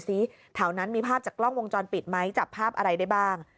แถวนั้นมีภาพจากกล้องวงจรปิดไหมจับภาพอะไรได้บ้าง